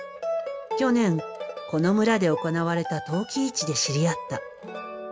去年この村で行われた陶器市で知り合った。